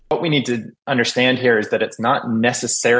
hal ini menunjukkan bahwa salah satu kendala terbesar